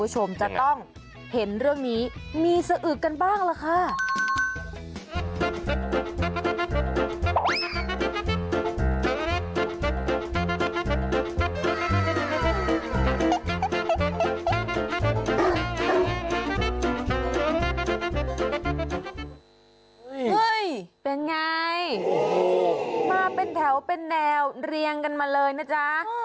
เฮ้ยเป็นไงมาเป็นแถวเป็นแนวเรียงกันมาเลยนะจ๊ะ